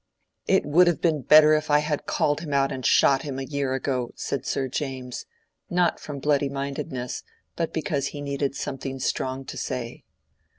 "It would have been better if I had called him out and shot him a year ago," said Sir James, not from bloody mindedness, but because he needed something strong to say.